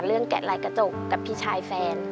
เรื่องแกะไร้กระจกกับพี่ชายแฟน